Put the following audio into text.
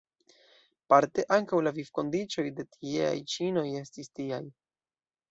Parte ankaŭ la vivkondiĉoj de tieaj ĉinoj estis tiaj.